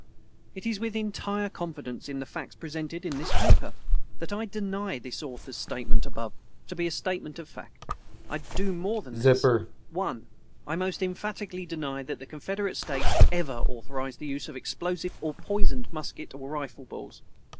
It is with entire confidence in the facts presented in this paper that I deny this author's statement, above, to be a statement of fact. I do more than this I. _I most emphatically deny that the Confederate States ever authorized the use of explosive or poisoned musket or rifle balls.